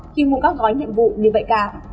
khi mua các gói nhiệm vụ như vậy cả